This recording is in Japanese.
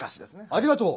ありがとう。